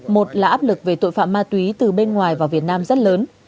một là áp lực về tội phạm ma túy từ bên ngoài vào việt nam rất lớn